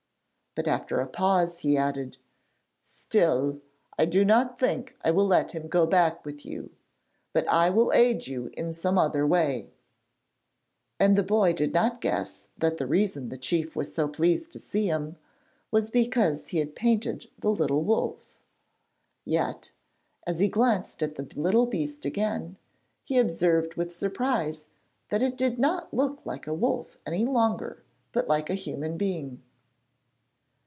But after a pause, he added: 'Still, I do not think I will let him go back with you; but I will aid you in some other way,' and the boy did not guess that the reason the chief was so pleased to see him was because he had painted the little wolf. Yet, as he glanced at the little beast again, he observed with surprise that it did not look like a wolf any longer, but like a human being.